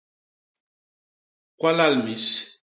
Kwalal mis.